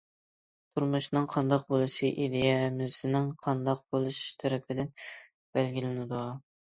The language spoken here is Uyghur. تۇرمۇشنىڭ قانداق بولۇشى ئىدىيەمىزنىڭ قانداق بولۇشى تەرىپىدىن بەلگىلىنىدۇ.